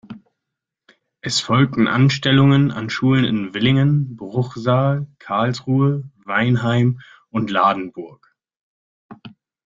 Es folgten Anstellungen an Schulen in Villingen, Bruchsal, Karlsruhe, Weinheim, und Ladenburg.